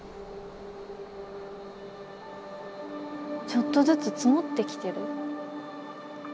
ちょっとずつ積もってきてる。